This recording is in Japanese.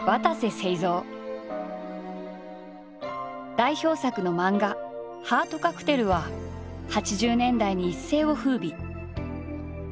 代表作の漫画「ハートカクテル」は８０年代に一世を風靡。